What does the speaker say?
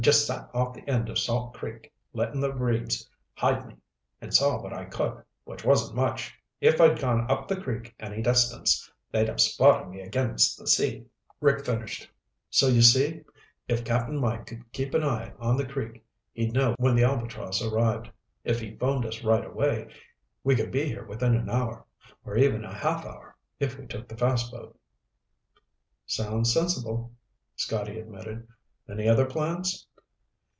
I just sat off the end of Salt Creek, letting the reeds hide me, and saw what I could, which wasn't much. If I'd gone up the creek any distance, they'd have spotted me against the sea." Rick finished, "So you see, if Cap'n Mike could keep an eye on the creek, he'd know when the Albatross arrived. If he phoned us right away, we could be here within an hour, or even a half hour, if we took the fast boat." "Sounds sensible," Scotty admitted. "Any other plans?"